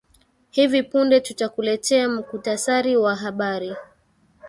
hivi punde tutakuletea mkutasari wa habari